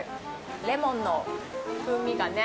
レモンの風味がね